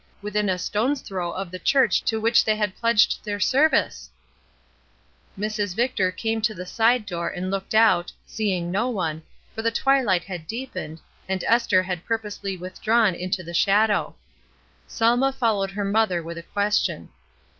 — within a stone's throw of the church to which they had pledged their service ! Mrs. Victor came to the side door and looked out, seeing no one, for the twilight had deepened, and Esther had purposely withdrawn into the shadow. Selma followed her mother with a question.